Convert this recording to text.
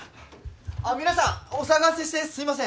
あっ皆さんお騒がせしてすいません。